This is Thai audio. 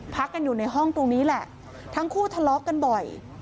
พักกันอยู่ในห้องตรงนี้แหละทั้งคู่ทะเลาะกันบ่อย